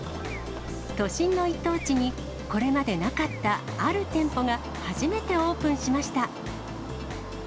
都心の一等地に、これまでなかったある店舗が初めてオープンしました。